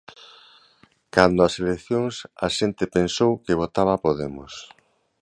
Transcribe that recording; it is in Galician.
Cando as eleccións a xente pensou que votaba a Podemos.